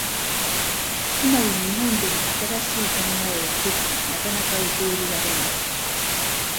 つまり、日本では新しい考えや説がなかなか受け入れられない。